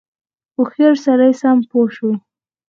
هوښیاری سره سم پوه شو.